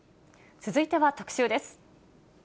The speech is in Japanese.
続いては特集です。